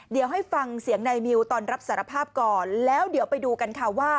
เดี๋ยวให้ฟังเสียงนายมิวตอนรับสารภาพก่อนแล้วเดี๋ยวไปดูกันค่ะว่า